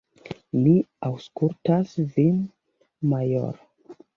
Mi aŭskultas vin, majoro!